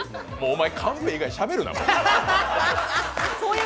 お前、カンペ以外もうしゃべるな。